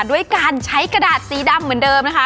ด้วยการใช้กระดาษสีดำเหมือนเดิมนะคะ